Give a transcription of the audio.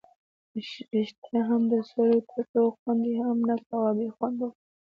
ریښتیا هم د سرو توتو خوند یې هم نه کاوه، بې خونده وو.